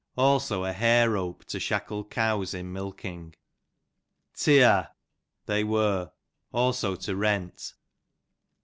Tee, thee; also a hair rope to shackle cows in milking. Teear, they were; also to rent.